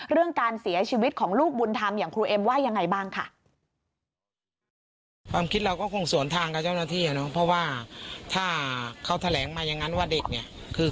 เพราะว่าถ้าเค้าแถลงมายังงั้นว่าเล็กคือ